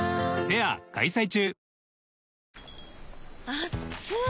あっつい！